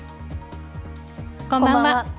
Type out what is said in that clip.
こんばんは。